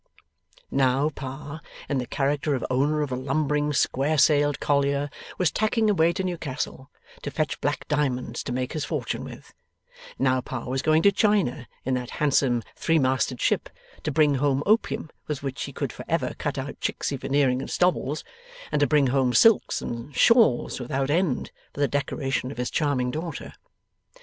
Now, Pa, in the character of owner of a lumbering square sailed collier, was tacking away to Newcastle, to fetch black diamonds to make his fortune with; now, Pa was going to China in that handsome threemasted ship, to bring home opium, with which he would for ever cut out Chicksey Veneering and Stobbles, and to bring home silks and shawls without end for the decoration of his charming daughter.